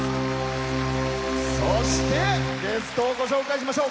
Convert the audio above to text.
そして、ゲストをご紹介しましょう。